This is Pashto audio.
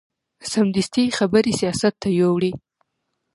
سمدستي یې خبرې سیاست ته یوړې.